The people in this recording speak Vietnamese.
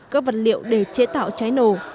các vật liệu để chế tạo trái nổ